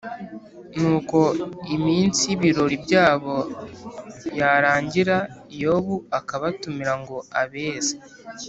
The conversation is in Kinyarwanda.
nuko iminsi y’ibirori byabo yarangira yobu akabatumira ngo abeze